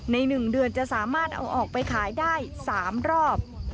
ใน๑เดือนจะสามารถเอาออกไปขายได้๓รอบ